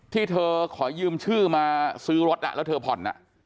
ที่เธอขอยืมชื่อมาซื้อรถแล้วเธอผ่อน